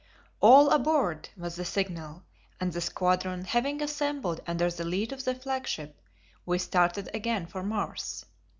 "All aboard!" was the signal, and the squadron having assembled under the lead of the flagship, we started again for Mars.